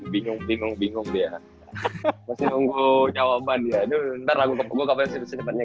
bingung bingung bingung dia masih nunggu jawaban dia ntar gua kabarin senjata senjata depannya